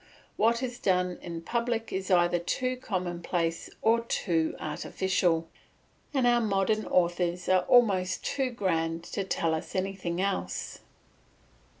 What is done in public is either too commonplace or too artificial, and our modern authors are almost too grand to tell us anything else.